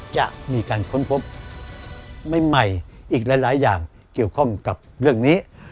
จะมีการค้นพบใหม่อีกหลายอย่างเกี่ยวข้องกับเรื่องนี้